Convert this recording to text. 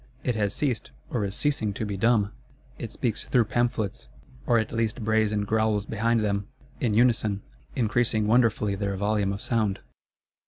It has ceased or is ceasing to be dumb; it speaks through Pamphlets, or at least brays and growls behind them, in unison,—increasing wonderfully their volume of sound.